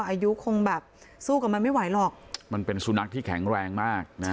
อายุคงแบบสู้กับมันไม่ไหวหรอกมันเป็นสุนัขที่แข็งแรงมากนะ